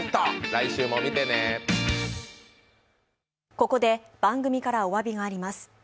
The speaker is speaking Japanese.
ここで番組からおわびがあります。